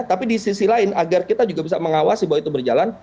tapi di sisi lain agar kita juga bisa mengawasi bahwa itu berjalan